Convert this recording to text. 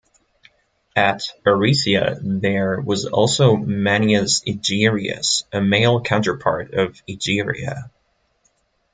At Aricia there was also a Manius Egerius, a male counterpart of Egeria.